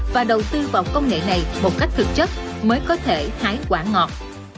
và đầu tư vào công nghệ này một cách thực chất mới có thể hái quả ngọt